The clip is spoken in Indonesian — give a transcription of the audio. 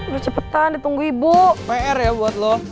udah cepetan ditunggu ibu pr ya buat lo